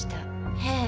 へえ。